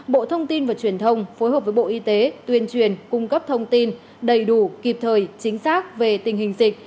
bộ thông tin và truyền thông phối hợp với bộ y tế tuyên truyền cung cấp thông tin đầy đủ kịp thời chính xác về tình hình dịch